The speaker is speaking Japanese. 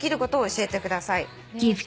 教えてください。